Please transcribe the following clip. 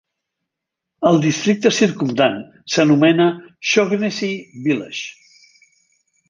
El districte circumdant s'anomena Shaughnessy Village.